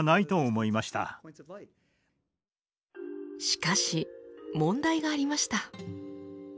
しかし問題がありました。